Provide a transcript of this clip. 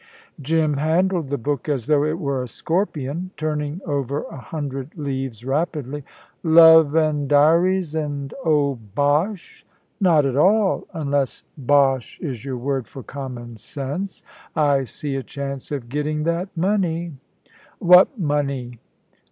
Jim handled the book as though it were a scorpion, turning over a hundred leaves rapidly. "Love an' diaries, and oh, bosh!" "Not at all, unless bosh is your word for common sense. I see a chance of getting that money." "What money?"